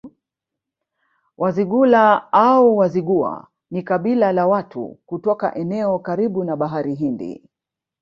Wazigula au Wazigua ni kabila la watu kutoka eneo karibu na Bahari Hindi